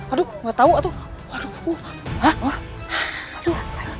aduh gak tau